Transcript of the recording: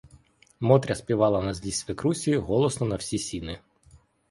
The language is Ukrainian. Мотря співала на злість свекрусі голосно на всі сіни.